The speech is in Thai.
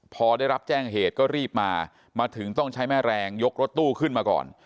พอได้รับแจ้งเหตุก็รีบมามาถึงต้องใช้แม่แรงยกรถตู้ขึ้นมาก่อน